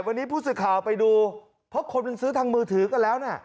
วันนี้พูดสิทธิ์ข่าวไปดูเพราะคนเป็นซื้อทางมือถือก็แล้วน่ะ